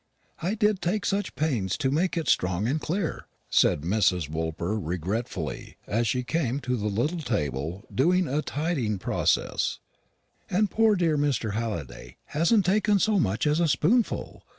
"I did take such pains to make it strong and clear," said Mrs. Woolper regretfully, as she came to the little table during a tidying process, "and poor dear Mr. Halliday hasn't taken so much as a spoonful.